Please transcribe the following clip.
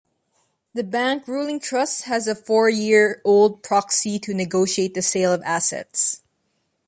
The Bank Ruling Trust has a four-year-old proxy to negotiate the sale of assets.